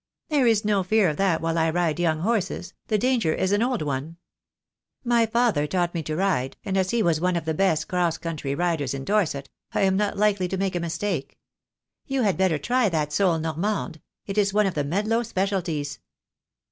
"There is no fear of that while I ride young horses, the danger is an old one. My father taught me to ride, and as he was one of the best cross country riders in 14 THE DAY WILL COME. Dorset I am not likely to make a mistake. You had better try that sole Normande; it is one of the Medlow specialities."